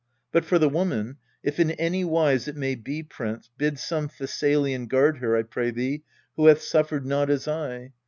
But, for the woman if in any wise It may be, prince, bid some Thessalian guard her, I pray thee, who hath suffered not as I.